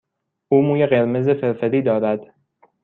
او موی قرمز فرفری دارد.